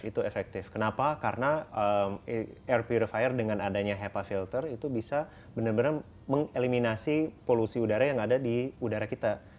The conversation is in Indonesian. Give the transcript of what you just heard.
itu efektif kenapa karena air purifier dengan adanya hepa filter itu bisa benar benar mengeliminasi polusi udara yang ada di udara kita